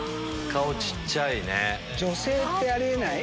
顔小っちゃいね。